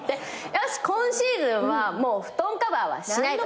よし今シーズンはもう布団カバーはしないと。